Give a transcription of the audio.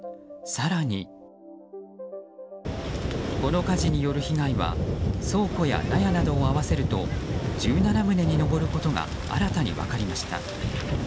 更に、この火事による被害は倉庫や納屋などを合わせると１７棟に上ることが新たに分かりました。